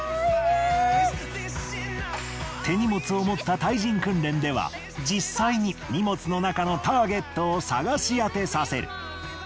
手荷物を持った対人訓練では実際に荷物の中のターゲットを探し当てさせる。